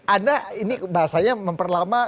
anda ini bahasanya memperlama